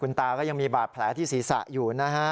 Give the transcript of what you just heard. ตาก็ยังมีบาดแผลที่ศีรษะอยู่นะฮะ